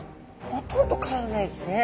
ほとんど変わらないですね。